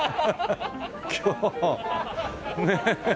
今日ねえ。